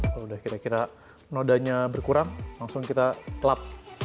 kalau udah kira kira nodanya berkurang langsung kita lap